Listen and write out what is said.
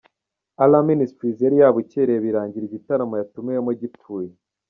Alarm Ministries yari yabucyereye birangira igitaramo yatumiwemo gipfuye.